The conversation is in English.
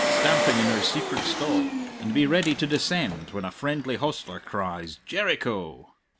stamping in her secret stall, and be ready to descend when a friendly hostler cries, "Jericho!"